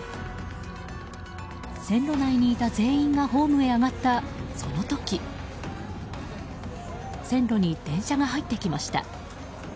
線路内にいた全員がホームへ上がったその時線路に電車が入ってきました。